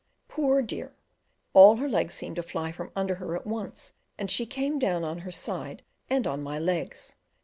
Poor dear, all her legs seemed to fly from under her at once, and she came down on her side and on my legs.